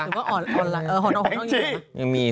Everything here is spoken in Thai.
หัวนอกยังอยู่ไหม